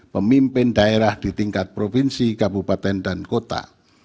pemimpin daerah di tingkat provinsi kabupaten dan kota